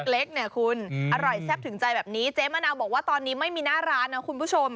เล็กเนี่ยคุณอร่อยแซ่บถึงใจแบบนี้เจ๊มะนาวบอกว่าตอนนี้ไม่มีหน้าร้านนะคุณผู้ชม